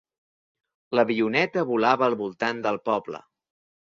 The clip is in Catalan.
L'avioneta volava al voltant del poble.